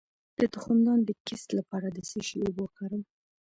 د تخمدان د کیست لپاره د څه شي اوبه وکاروم؟